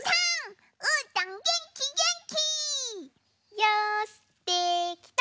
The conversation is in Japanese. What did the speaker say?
よしできた！